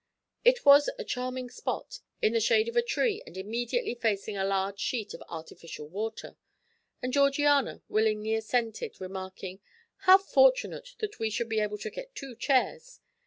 It was a charming spot, in the shade of a tree and immediately facing a large sheet of artificial water, and Georgiana willingly assented, remarking: "How fortunate that we should be able to get two chairs.